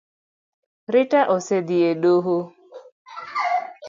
Rita osedhi e doho